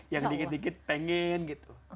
yang dikit dikit pengen gitu